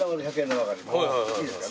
いいですか？